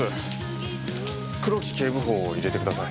黒木警部補を入れてください。